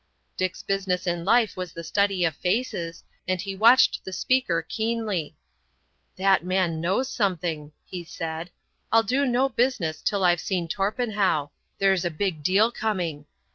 Dick's business in life was the study of faces, and he watched the speaker keenly. "That man means something," he said. "I'll do no business till I've seen Torpenhow. There's a big deal coming."